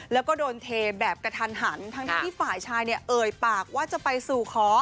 แล้วก็โดนเทแบบกระทันหันทั้งที่ฝ่ายชายเนี่ยเอ่ยปากว่าจะไปสู่ขอ